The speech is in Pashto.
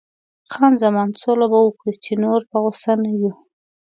خان زمان: سوله به وکړو، چې نور په غوسه نه یو.